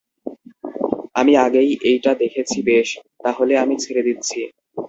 আমি আগেই এইটা দেখেছি বেশ, তাহলে আমি ছেড়ে দিচ্ছি।